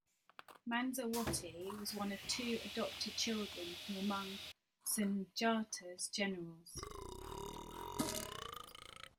Mansa Wati was one of two adopted children from among Sundjata's generals.